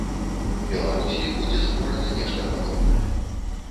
Беларусі будзе створана нешта падобнае.